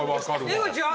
井口は？